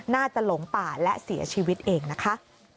หลงป่าและเสียชีวิตเองนะคะ